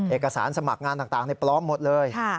เอกสารสมัครงานต่างปลอมหมดเลย